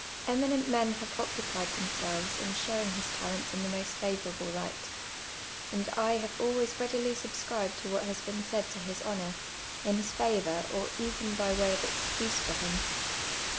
Eminent men have occupied themselves in showing his talents in the most favourable light; and I have always readily subscribed to what has been said to his honour, in his favour, or even by way of excuse for him.